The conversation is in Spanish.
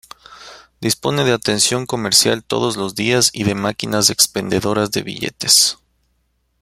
Dispone de atención comercial todos los días y de máquinas expendedoras de billetes.